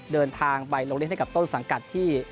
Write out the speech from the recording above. เดินทางไปลงเล่นให้กับต้นสังกัดที่